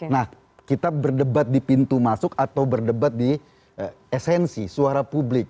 nah kita berdebat di pintu masuk atau berdebat di esensi suara publik